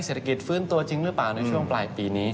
ฟื้นตัวจริงหรือเปล่าในช่วงปลายปีนี้